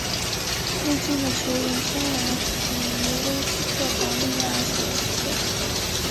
黑金的球员生涯始于威斯特伐利亚索斯特。